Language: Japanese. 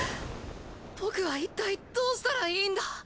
僕はいったいどうしたらいいんだ。